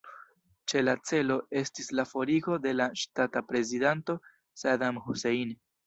Ĉefa celo estis la forigo de la ŝtata prezidanto Saddam Hussein.